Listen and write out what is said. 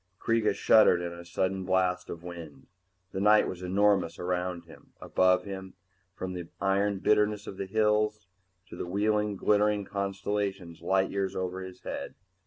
_ Kreega shuddered in a sudden blast of wind. The night was enormous around him, above him, from the iron bitterness of the hills to the wheeling, glittering constellations light years over his head.